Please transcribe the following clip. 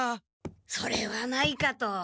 それはないかと。